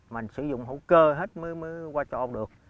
mình sử dụng hữu cơ hết mới qua châu âu được